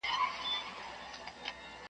لا مي پلونه پکښی پاته هغه لار په سترګو وینم .